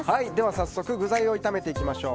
早速具材を炒めていきましょう。